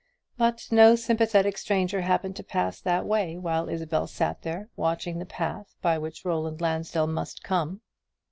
But no sympathetic stranger happened to pass that way while Isabel sat there, watching the path by which Roland Lansdell must come.